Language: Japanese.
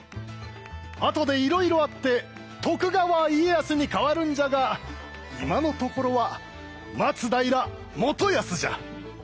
あとでいろいろあって徳川家康に変わるんじゃが今のところは松平元康じゃ！